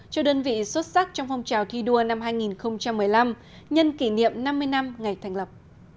cho đơn vị xuất sắc trong phong trào thi đua năm hai nghìn một mươi năm nhân kỷ niệm năm mươi năm ngày thành lập